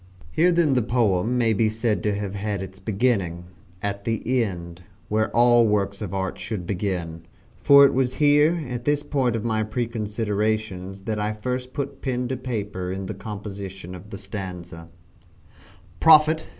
Here then the poem may be said to have had its beginning at the end where all works of art should begin for it was here at this point of my preconsiderations that I first put pen to paper in the composition of the stanza: "Prophet!"